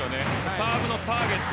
サーブのターゲット